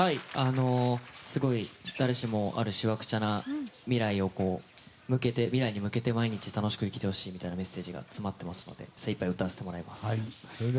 すごい、誰しもがあるしわくちゃな未来に向けて毎日楽しく生きてほしいみたいなメッセージが詰まってますので精いっぱい歌わせてもらいます。